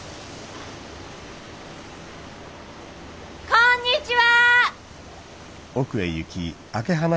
こんにちは！